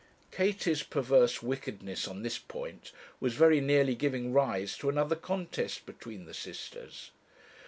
Katie's perverse wickedness on this point was very nearly giving rise to another contest between the sisters.